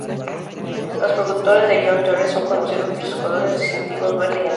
Los productos de John Deere son conocidos por sus colores distintivos verde y amarillo.